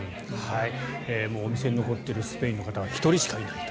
もうお店に残っているスペイン人の方は１人しかいないと。